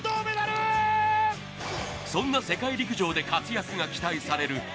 そんな世界陸上で活躍が期待される